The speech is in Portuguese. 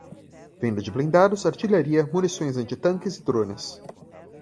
Venda de blindados, artilharia, munições antitanques e drones